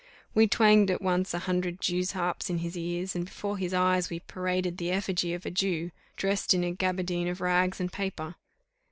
We twanged at once a hundred Jew's harps in his ear, and before his eyes we paraded the effigy of a Jew, dressed in a gabardine of rags and paper.